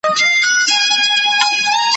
چي ته څوک یې ته پر کوم لوري روان یې